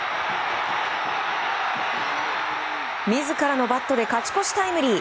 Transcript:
自らのバットで勝ち越しタイムリー。